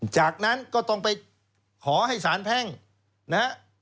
จากนั้นก็ต้องไปขอให้สารแพ่งนะฮะ